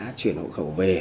và đã chuyển hộ khẩu về